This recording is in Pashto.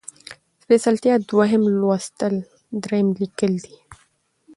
سپېڅلتيا ، دويم لوستل ، دريم ليکل دي